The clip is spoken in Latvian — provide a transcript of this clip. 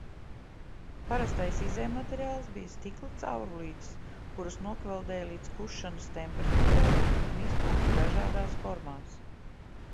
Parastais izejmateriāls bija stikla caurulītes, kuras nokveldēja līdz kušanas temperatūrai un izpūta dažādās formās.